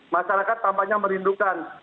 masyarakat tampaknya merindukan